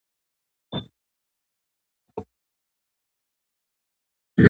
خلک په ټولنیزو رسنیو کې د نوي کال پیغامونه شریکوي.